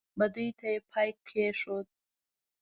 بدیو ته یې پای کېښود.